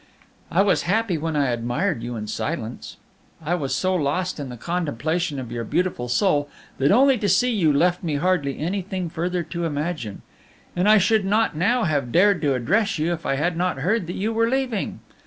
"I was happy when I admired you in silence; I was so lost in the contemplation of your beautiful soul, that only to see you left me hardly anything further to imagine. And I should not now have dared to address you if I had not heard that you were leaving.